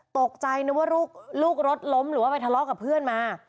ตกใจนึกว่าลูกรถล้มหรือว่าไปทะเลาะกับเพื่อนมา